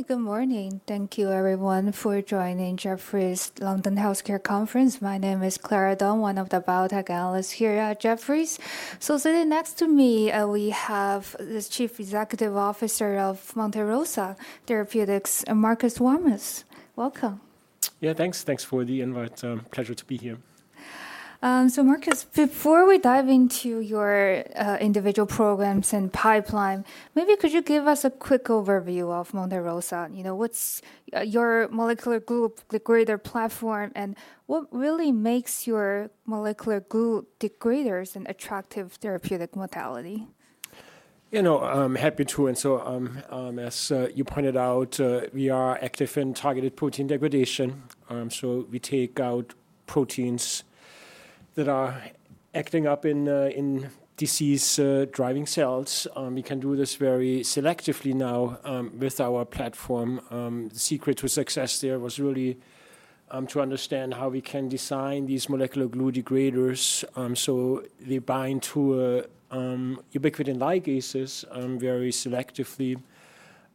All right. Good morning. Thank you everyone for joining Jefferies London Healthcare Conference. My name is Clara Dong, one of the biotech analysts here at Jefferies. So sitting next to me, we have the Chief Executive Officer of Monte Rosa Therapeutics, Marcus Warmus. Welcome. Yes, thanks. Thanks for the invite. Pleasure to be here. So Marcus, before we dive into your individual programs and pipeline, maybe could you give us a quick overview of MondeRosa? What's your molecular group, the greater platform and what really makes your molecular group the greater is an attractive therapeutic modality? Happy to. And so as you pointed out, we are active in targeted protein degradation. So we take out proteins that are acting up in disease driving cells. We can do this very selectively now with our platform. The secret to success there was really to understand how we can design these molecular glue degraders so they bind to ubiquitin ligases very selectively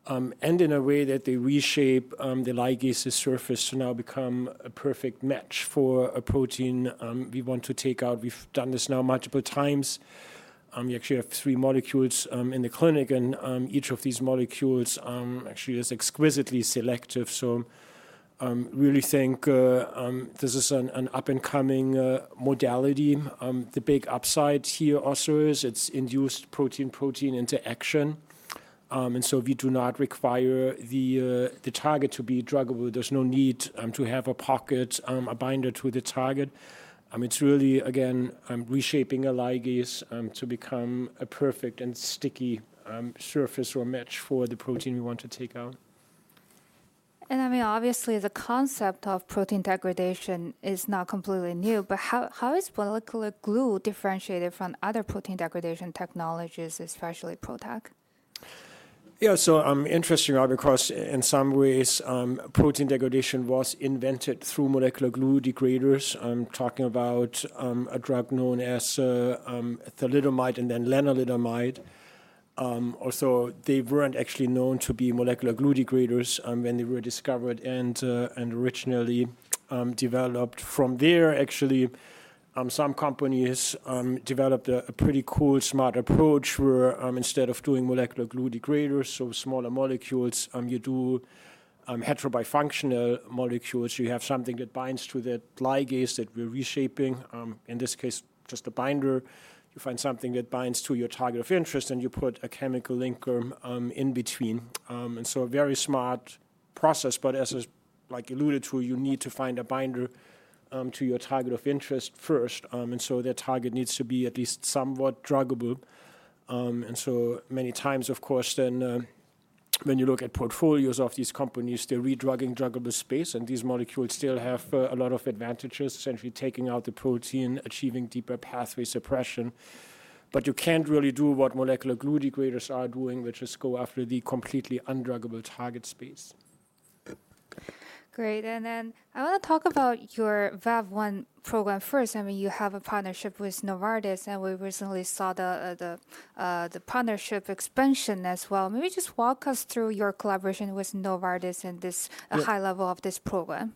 and in a way that they reshape the ligases surface to now become a perfect match for a protein we want to take out. We've done this now multiple times. We actually have three molecules in the clinic, and each of these molecules actually is exquisitely selective. So really think this is an up and coming modality. The big upside here also is it's induced protein protein interaction. And so we do not require the target to be druggable. There's no need to have a pocket a binder to the target. It's really, again, reshaping a ligase to become a perfect and sticky surface or match for the protein we want to take out. And I mean, obviously, the concept of protein degradation is not completely new, but how is molecular glue differentiated from other protein degradation technologies, especially PROTECT? Yes. So interesting, Rob, because in some ways, protein degradation was invented through molecular glue degraders. I'm talking about a drug known as thalidomide and then lenalidomide. Also they weren't actually known to be molecular glue degraders when they were discovered and originally developed. From there, actually, some companies developed a pretty cool smart approach where instead of doing molecular glue degraders or smaller molecules, you do hetero bifunctional molecules. You have something that binds to that ligase that we're reshaping, in this case, just a binder. You find something that binds to your target of interest, and you put a chemical link in between. And so a very smart process. But as I like alluded to, you need to find a binder to your target of interest first. And so the target needs to be at least somewhat druggable. And so many times, of course, then when you look at portfolios of these companies, they're redrugging druggable space, and these molecules still have a lot of advantages, essentially taking out the protein, achieving deeper pathway suppression. But you can't really do what molecular glue degraders are doing, which is go after the completely undruggable target space. Great. And then I want to talk about your VAV1 program first. I mean you have a partnership with Novartis, and we recently saw the partnership expansion as well. Maybe just walk us through your collaboration with Novartis in this high level of this program.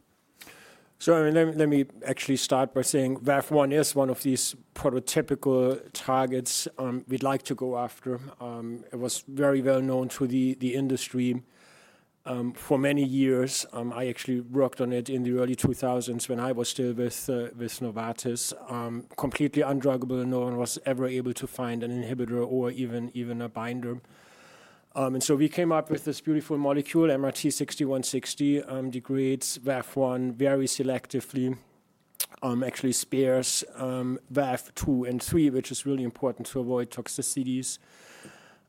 So let me actually start by saying, VAP1 is one of these prototypical targets we'd like to go after. It was very well known to the industry for many years. I actually worked on it in the early 2000s when I was still with Novartis. Completely undruggable, no one was ever able to find an inhibitor or even a binder. And so we came up with this beautiful molecule, MRT6160 degrades WAF1 very selectively, actually spares WAF two and three, which is really important to avoid toxicities.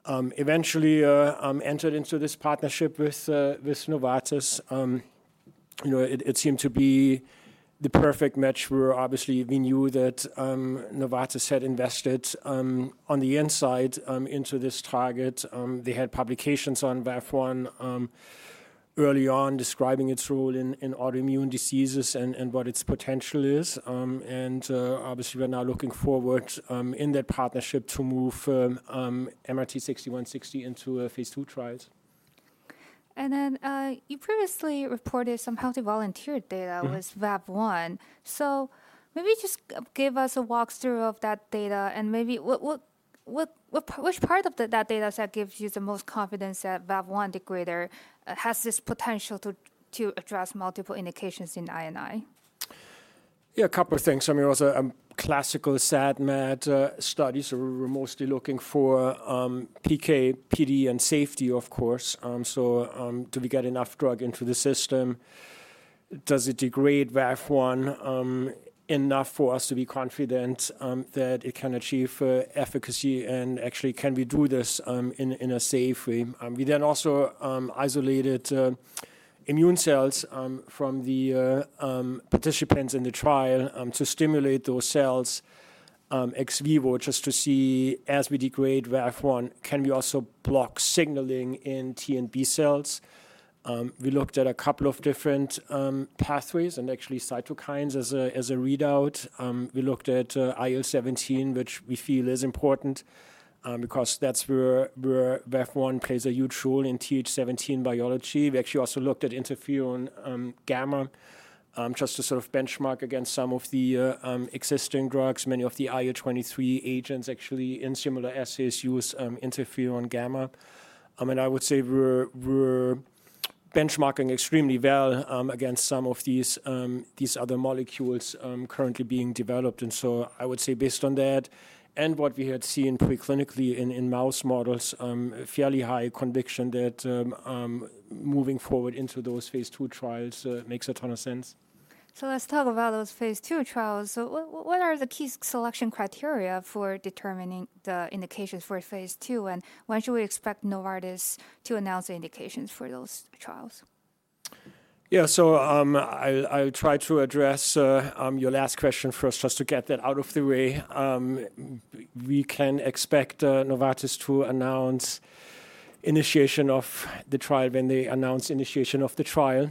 Eventually, entered into this partnership with Novartis. It seemed to be the perfect match where, obviously, we knew that Novartis had invested on the inside into this target. They had publications on BAPH1 early on describing its role in autoimmune diseases and what its potential is. And obviously, we're now looking forward in that partnership to move MRT-six 160 into Phase II trials. And then you previously reported some healthy volunteer data with So maybe just give us a walk through of that data and maybe what which part of that data set gives you the most confidence that VAV1 degrader has this potential to address multiple indications in I and I? Yes, couple of things. I mean, it was a classical SADMAD study, so we're mostly looking for PKPD and safety, of course. So do we get enough drug into the system? Does it degrade VAF-one enough for us to be confident that it can achieve efficacy? And actually, can we do this in a safe way? We then also isolated immune cells from the participants in the trial to stimulate those cells ex vivo just to see as we degrade RAF1, can we also block signaling in T and B cells? We looked at a couple of different pathways and actually cytokines as a readout. We looked at IL-seventeen, which we feel is important because that's where VAP1 plays a huge role in Th17 biology. We actually also looked at interferon gamma just to sort of benchmark against some of the existing drugs. Many of the IO23 agents actually in similar assays use interferon gamma. I mean I would say we're benchmarking extremely well against some of these other molecules currently being developed. And so I would say based on that and what we had seen preclinically in mouse models, a fairly high conviction that moving forward into those Phase II trials makes a ton of sense. So let's talk about those Phase II trials. So what are the key selection criteria for determining the indications for Phase II? And when should we expect Novartis to announce indications for those trials? Yes. So I'll try to address your last question first just to get that out of the way. We can expect Novartis to announce initiation of the trial when they announce initiation of the trial.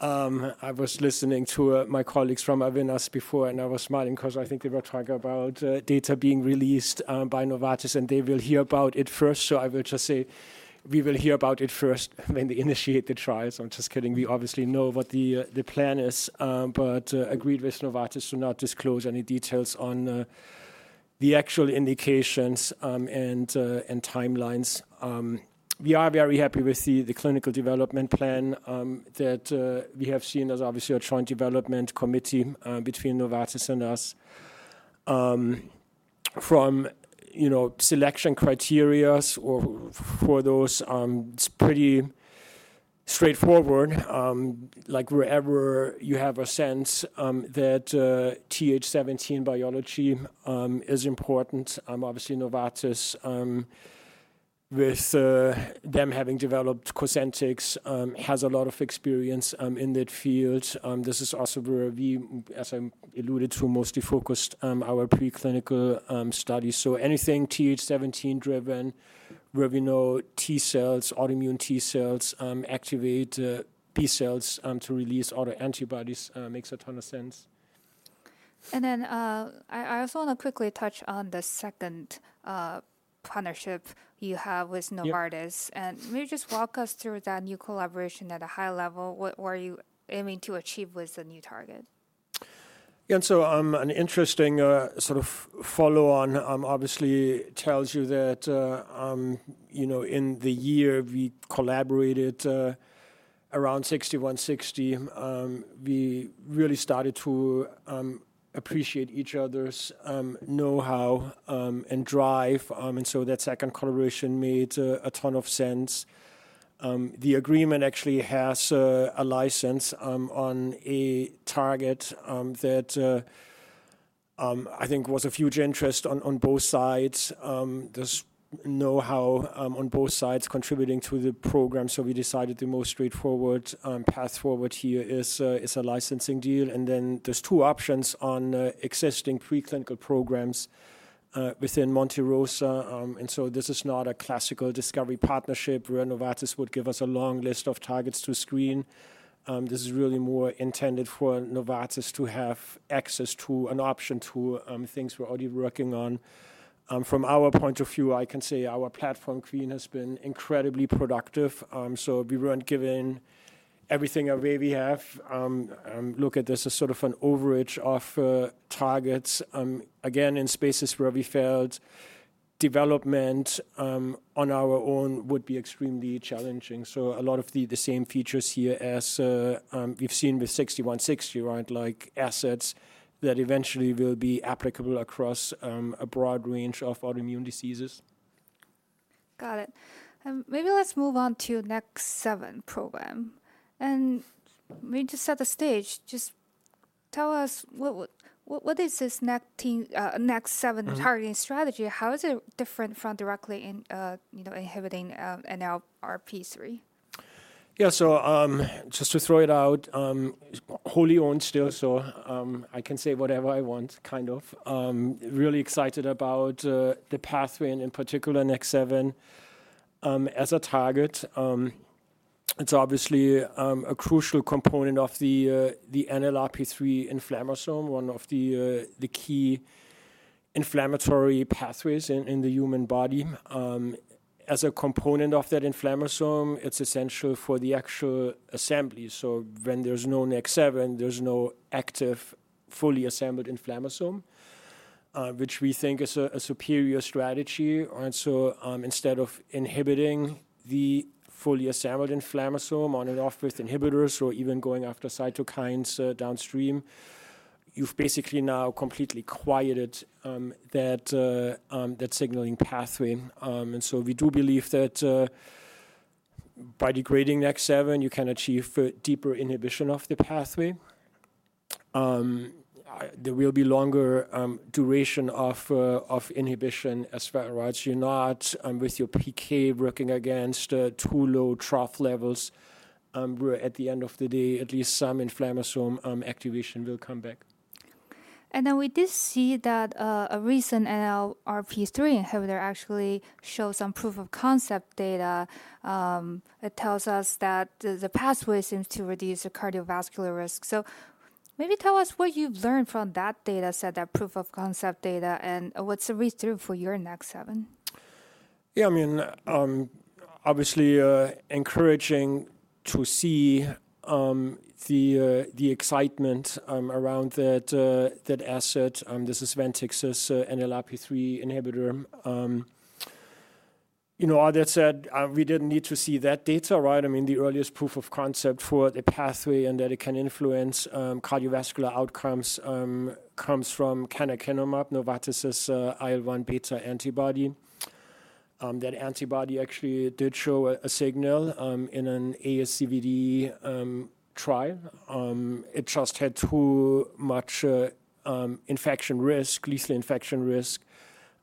I was listening to my colleagues from Avinas before, and I was smiling because I think they were talking about data being released by Novartis, and they will hear about it first. So I will just say we will hear about it first when they initiate the trials. I'm just kidding. We obviously know what the plan is, but agreed with Novartis to not disclose any details on the actual indications and time lines. We are very happy with the clinical development plan that we have seen as obviously a joint development committee between Novartis and us. From selection criterias for those, it's pretty straightforward, like wherever you have a sense that Th17 biology is important. Obviously, Novartis, with them having developed Cosentyx, has a lot of experience in that field. This is also where we, as as I alluded to, mostly focused our preclinical studies. So anything Th17 driven where we know T cells, autoimmune T cells activate B cells to release autoantibodies makes a ton of sense. And then I also want to quickly touch on the second partnership you have with Novartis. And maybe just walk us through that new collaboration at a high level? What are you aiming to achieve with the new target? Yes. So an interesting sort of follow on obviously tells you that in the year, we collaborated around sixtyone-sixty. We really started to appreciate each other's know how and drive. And so that second collaboration made a ton of sense. The agreement actually has a license on a target that I think was a huge interest on both sides. There's know how on both sides contributing to the program. So we decided the most straightforward path forward here is a licensing deal. And then there's two options on existing preclinical programs within Monte Rosa. And so this is not a classical discovery partnership where Novartis would give us a long list of targets to screen. This is really more intended for Novartis to have access to an option to things we're already working on. From our point of view, I can say our platform queen has been incredibly productive. So we weren't given everything away we have. Look at this as sort of an overage of targets, again, in spaces where we felt development on our own would be extremely challenging. So a lot of the same features here as you've seen with 6,160, right, like assets that eventually will be applicable across a broad range of autoimmune diseases. Got it. Maybe let's move on to NEX-seven program. And maybe to set the stage, just tell us what is this NEXT seven targeting strategy? How is it different from directly inhibiting an RP3? Yes. So just to throw it out, wholly owned still, so I can say whatever I want, kind of. Really excited about the pathway and, in particular, Nx7 as a target. It's obviously a crucial component of the NLRP3 inflammasome, one of the key inflammatory pathways in the human body. As a component of that inflammasome, it's essential for the actual assembly. So when there's no NAC7, there's no active fully assembled inflammasome, which we think is a superior strategy. And so instead of inhibiting the foliassembled inflammasome on and off with inhibitors or even going after cytokines downstream, you've basically now completely quieted that signaling pathway. And so we do believe that by degrading NAC7, you can achieve deeper inhibition of the pathway. There will be longer duration of inhibition as far as you're not with your PK working against too low trough levels. We're at the end of the day, at least some inflammasome activation will come back. And then we did see that a recent NLRP3 inhibitor actually shows some proof of concept data. It tells us that the pathway seems to reduce the cardiovascular risk. So maybe tell us what you've learned from that data set, that proof of concept data and what's the read through for your NEX-seven? Yes. I mean, obviously, encouraging to see the excitement around that asset. This is Ventix's NLRP3 inhibitor. All that said, we didn't need to see that data, right? I mean the earliest proof of concept for the pathway and that it can influence cardiovascular outcomes comes from canakinumab, Novartis' IL-one beta antibody. That antibody actually did show a signal in an ASCVD trial. It just had too much infection risk, lethal infection risk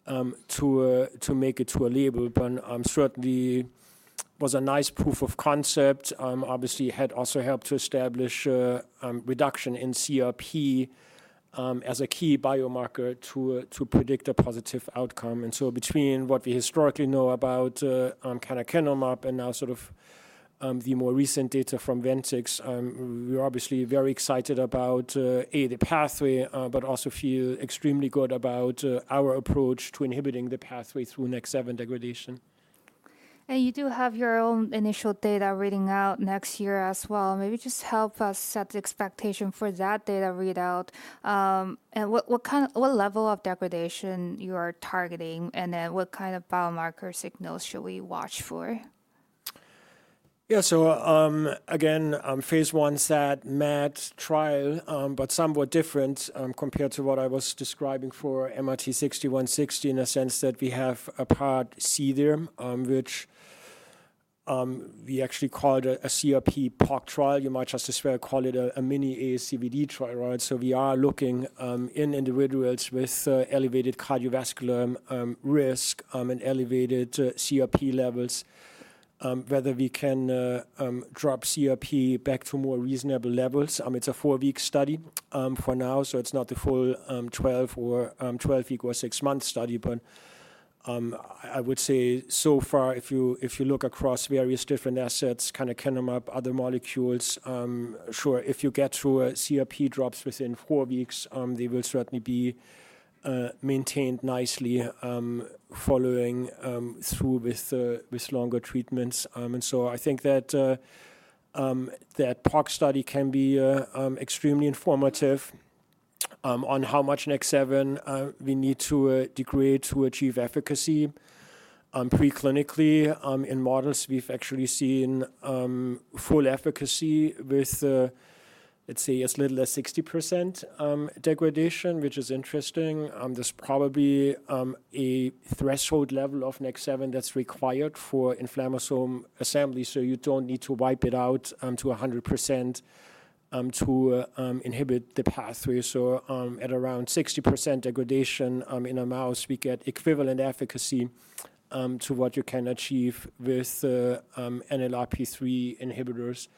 to make it to a label. But certainly, was a nice proof of concept. Obviously, it had also helped to establish reduction in CRP as a key biomarker to predict a positive outcome. And so between what we historically know about canakinumab and now sort of the more recent data from Ventix, we're obviously very excited about, a, the pathway but also feel extremely good about our approach to inhibiting the pathway through NEX-seven degradation. And you do have your own initial data reading out next year as well. Maybe just help us set the expectation for that data readout. And what kind of what level of degradation you are targeting? And then what kind of biomarker signals should we watch for? Yes. So again, Phase I SAD MET trial, but somewhat different compared to what I was describing for MRT6160 in a sense that we have a Part C there, which we actually called a CRP POC trial. You might just as well call it a mini aCVD trial, right? So we are looking in individuals with elevated cardiovascular risk and elevated CRP levels, whether we can drop CRP back to more reasonable levels. I mean it's a four week study for now, so it's not the full twelve week or six month study. But I would say, so far, if you look across various different assets, kind of canumab, other molecules, sure, if you get to a CRP drops within four weeks, they will certainly be maintained nicely following through with longer treatments. And so I think that, that POC study can be extremely informative on how much NEX-seven we need to degrade to achieve efficacy. Preclinically, in models, we've actually seen full efficacy with, let's say, as little as 60% degradation, which is interesting. There's probably a threshold level of NEX-seven that's required for inflammasome assembly, so you don't need to wipe it out to 100% to inhibit the pathway. So at around 60% degradation in a mouse, we get equivalent efficacy to what you can achieve with NLRP3 inhibitors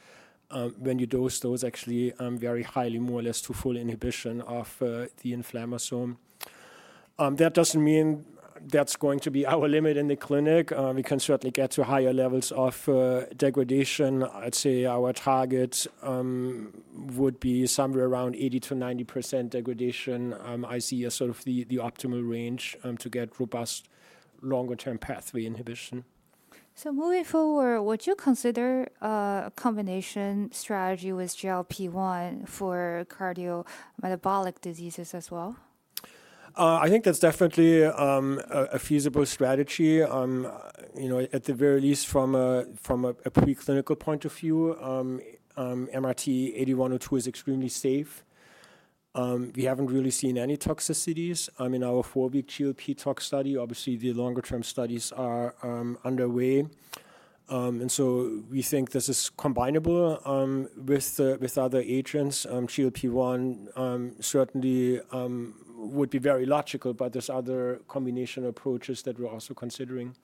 when you dose those actually very highly, more or less to full inhibition of the inflammasome. That doesn't mean that's going to be our limit in the clinic. We can certainly get to higher levels of degradation. I'd say our target would be somewhere around 80% to 90% degradation, I see, as sort of the optimal range to get robust longer term pathway inhibition. So moving forward, would you consider a combination strategy with GLP-one for cardiometabolic diseases as well? I think that's definitely a feasible strategy. At the very least, from a preclinical point of view, MRT-eight thousand one hundred two is extremely safe. We haven't really seen any toxicities. I mean, our four week GLP tox study, obviously, the longer term studies are underway. And so we think this is combinable with other agents. Certainly would be very logical, but there's other combination approaches that we're also considering.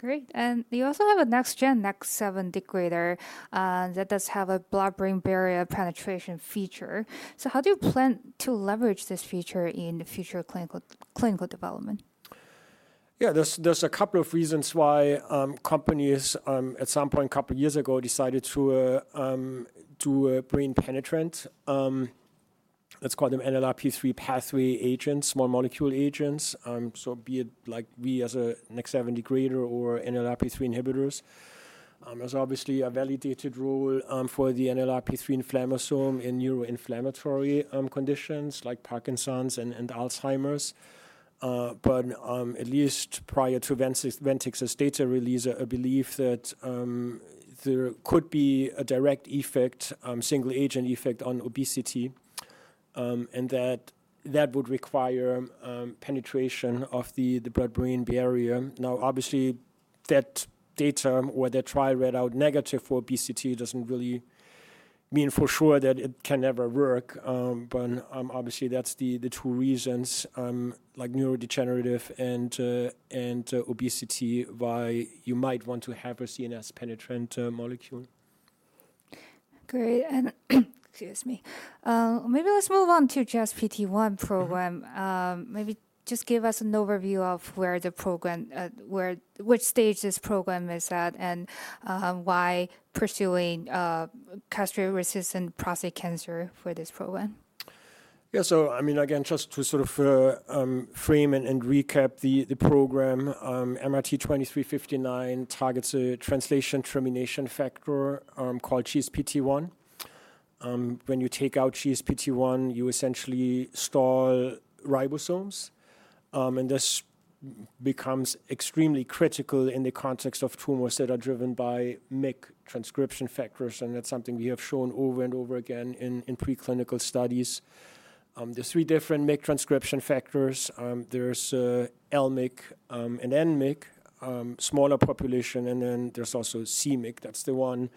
Great. And you also have a next gen, next seven degrader that does have a blood brain barrier penetration feature. So how do you plan to leverage this feature in the future clinical development? Yes. There's a couple of reasons why companies, at some point, a couple of years ago, decided to a brain penetrant. Let's call them NLRP3 pathway agents, small molecule agents, so be it like we as a Nex7 degrader or NLRP3 inhibitors. There's obviously a validated role for the NLRP3 inflammasome in neuroinflammatory conditions like Parkinson's and Alzheimer's. But at least prior to Ventix's data release, I believe that there could be a direct effect, single agent effect on obesity and that, that would require penetration of the blood brain barrier. Now obviously, that data or the trial read out negative for obesity doesn't really mean for sure that it can never work. But obviously, that's the two reasons, like neurodegenerative and obesity, why you might want to have a CNS penetrant molecule. Great. And maybe let's move on to Jazz PT1 program. Maybe just give us an overview of where the program where which stage this program is at and why pursuing castration resistant prostate cancer for this program? Yes. So I mean, again, just to sort of frame and recap the program, MRT-two 359 targets a translation termination factor called GSPT1. When you take out GSPT1, you essentially stall ribosomes. And this becomes extremely critical in the context of tumors that are driven by MYC transcription factors, and that's something we have shown over and over again in preclinical studies. There's three different MYC transcription factors. There's L MYC and N MYC, smaller population, and then there's also C MYC, that's the one.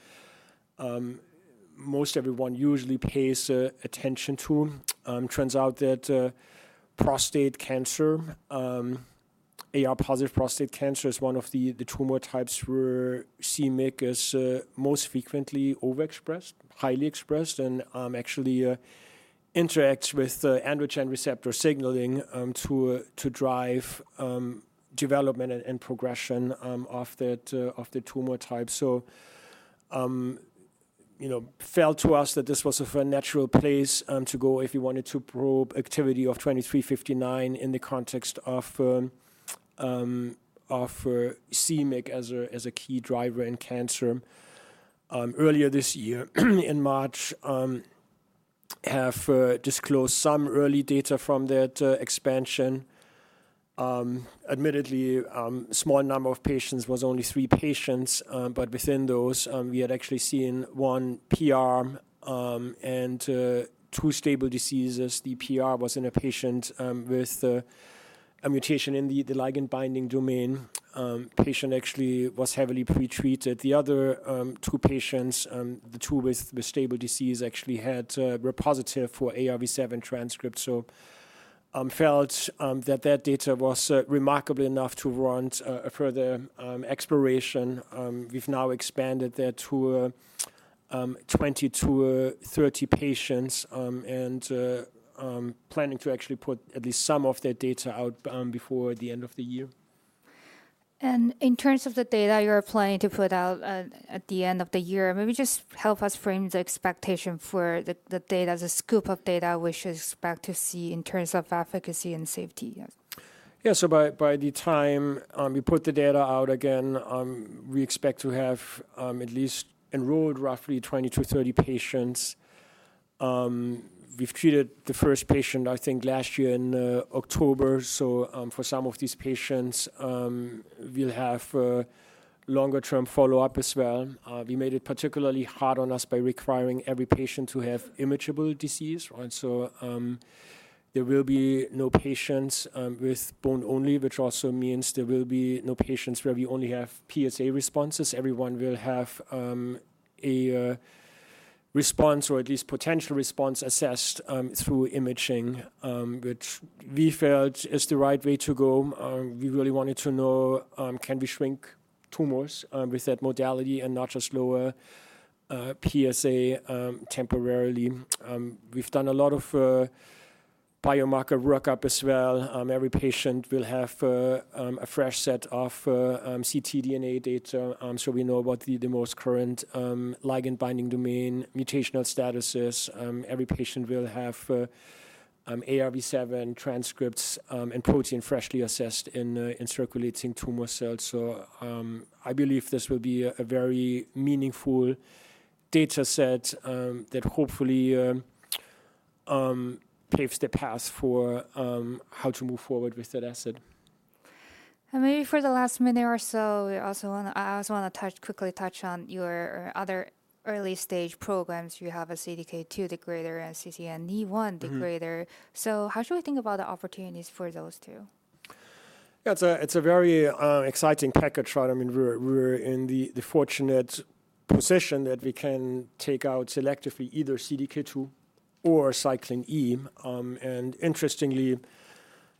Most everyone usually pays attention to. It turns out that prostate cancer, AR positive prostate cancer is one of the tumor types where C MYC is most frequently overexpressed, highly expressed and actually interacts with androgen receptor signaling to drive development and progression of that of the tumor type. So felt to us that this was a natural place to go if you wanted to probe activity of 2,359 in the context of c MYC as a key driver in cancer Earlier this year, in March, have disclosed some early data from that expansion. Admittedly, a small number of patients was only three patients. But within those, we had actually seen one PR and two stable diseases. The PR was in a patient with a mutation in the ligand binding domain. Patient actually was heavily pretreated. The other two patients, the two with stable disease actually had were positive for ARV7 transcript. So felt that, that data was remarkable enough to warrant further exploration. We've now expanded that to 20 to 30 patients and planning to actually put at least some of that data out before the end of the year. And in terms of the data you're planning to put out at the end of the year, maybe just help us frame the expectation for the data as a scoop of data we should expect to see in terms of efficacy and safety? Yes. So by the time we put the data out again, we expect to have at least enrolled roughly 20 to 30 patients. We've treated the first patient, I think, last year in October. So for some of these patients, we'll have longer term follow-up as well. We made it particularly hard on us by requiring every patient to have immutable disease, right? So there will be no patients with bone only, which also means there will be no patients where we only have PSA responses. Everyone will have a response or at least potential response assessed through imaging, which we felt is the right way to go. We really wanted to know, can we shrink tumors with that modality and not just lower PSA temporarily. We've done a lot of biomarker workup as well. Every patient will have a fresh set of ctDNA data. So we know what the most current ligand binding domain, mutational status is. Every patient will have ARB7 transcripts and protein freshly assessed in circulating tumor cells. So I believe this will be a very meaningful data set that hopefully paves the path for how to move forward with that asset. And maybe for the last minute or so, I also want to touch quickly touch on your other early stage programs. You have a CDK2 degrader and CCNE1 degrader. So how should we think about the opportunities for those two? Yes. It's a very exciting package, I mean we're in the fortunate position that we can take out selectively either CDK2 or Cyclin E. And interestingly,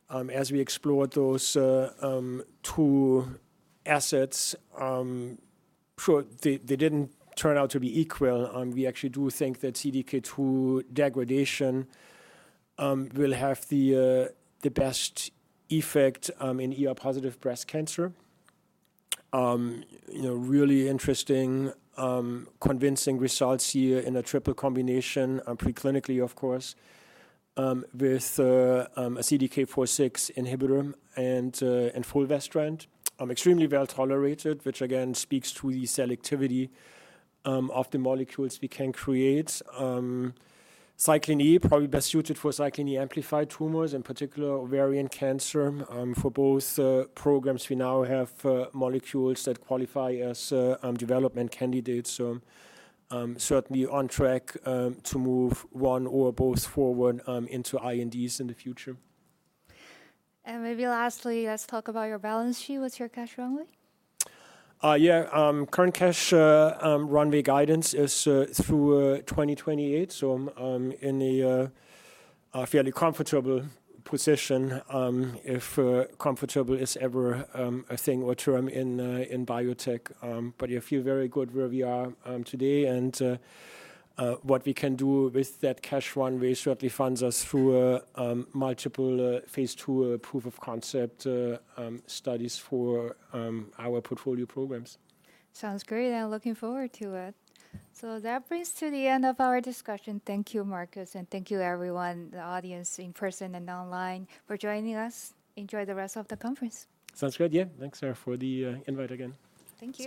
as we explored those two assets, sure, they didn't turn out to be equal. We actually do think that CDK2 degradation will have the best effect in ER positive breast cancer. Really interesting convincing results here in a triple combination preclinically, of course, with CDK4six inhibitor and fulvestrant, Extremely well tolerated, which, again, speaks to the selectivity of the molecules we can create. Cyclin E, probably best suited for cyclin E amplified tumors, in particular, cancer. For both programs, we now have molecules that qualify as development candidates. So certainly on track to move one or both forward into INDs in the future. And maybe lastly, let's talk about your balance sheet. What's your cash runway? Yes. Current cash runway guidance is through 2028. So I'm in a fairly comfortable position, if comfortable is ever a thing or term in biotech. But we feel very good where we are today. And what we can do with that cash runway certainly funds us through multiple Phase II proof of concept studies for our portfolio programs. Sounds great. I'm looking forward to it. So that brings to the end of our discussion. Thank you, Markus, and thank you, everyone, the audience in person and online for joining us. Enjoy the rest of the conference. Sounds good. Yes. Thanks, Sarah, for the invite again. Thank you.